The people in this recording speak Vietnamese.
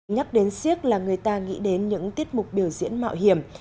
nhắc đến siếc là người ta nghĩ đến những tiết mục biểu diễn mạo hiểm